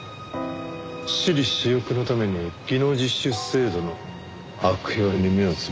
私利私欲のために技能実習制度の悪用に目をつむるとは。